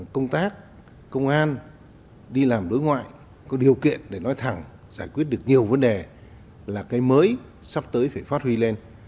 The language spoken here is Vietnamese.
công tác công an đi làm đối ngoại có điều kiện để nói thẳng giải quyết được nhiều vấn đề là cây mới sắp tới phải phát huy lên